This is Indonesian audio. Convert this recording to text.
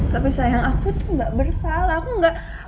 tapi sayang aku tuh gak bersalah